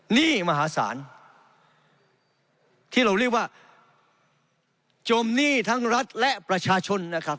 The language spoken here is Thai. หนี้มหาศาลที่เราเรียกว่าจมหนี้ทั้งรัฐและประชาชนนะครับ